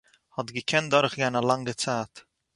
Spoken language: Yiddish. האט געקענט דורכגיין א לאנגע צייט